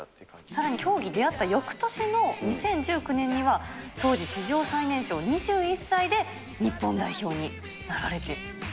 さらに競技に出会ったよくとしの２０１９年には、当時、史上最年少２１歳で日本代表になられて。